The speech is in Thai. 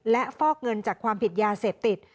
และฟอกเงินจากความผิดยาเสพติด